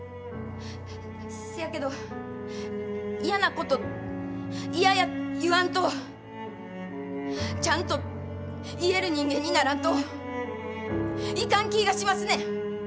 せやけど嫌なこと嫌や言わんとちゃんと言える人間にならんといかん気ぃがしますねん。